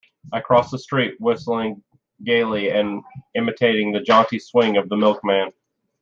I crossed the street, whistling gaily and imitating the jaunty swing of the milkman.